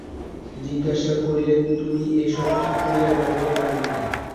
জিজ্ঞাসা করিলেন, তুমি এ-সব কী করিয়া জানিতে পারিলে?